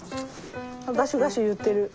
あっガシガシいってる。